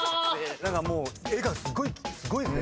何かもう絵がすごいですね。